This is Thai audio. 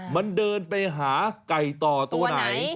มันเดินไปหาไก่ต่อตัวไหน